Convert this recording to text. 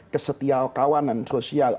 kesetia kawanan sosial